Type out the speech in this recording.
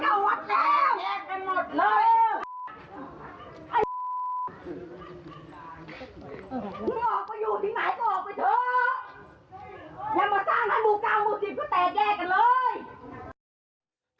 อย่ามาสร้างแล้วมูกเกามูกสิบก็แตกแยกกันเลย